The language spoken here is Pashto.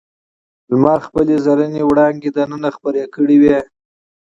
لمر خپلې زرینې وړانګې دننه خپرې کړې وې.